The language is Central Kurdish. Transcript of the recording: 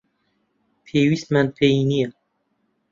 پێویستمان پێی نییە.